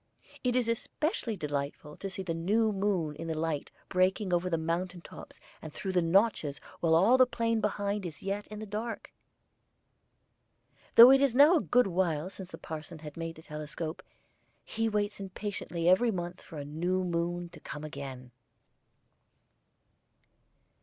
It is especially delightful to see in the new moon the light breaking over the mountain tops and through the notches while all the plain behind is yet in the dark. Though it is now a good while since the parson made the telescope, he waits impatiently every month for the new moon to come again.